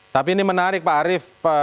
tapi ini menarik pak arief